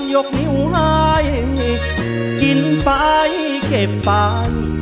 ยกนิ้วให้กินไปเก็บไป